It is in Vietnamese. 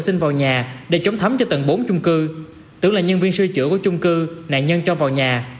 xin vào nhà để chống thấm cho tầng bốn chung cư tưởng là nhân viên sư trưởng của chung cư nạn nhân cho vào nhà